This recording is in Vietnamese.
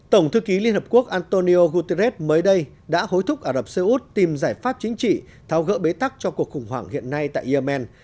tổng thư ký liên hợp quốc antonio guterres mới đây đã hối thúc ả rập xê út tìm giải pháp chính trị tháo gỡ bế tắc cho cuộc khủng hoảng hiện nay tại yemen